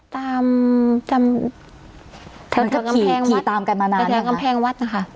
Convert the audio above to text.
ตามกระแทงกำแพงวัดนะคะ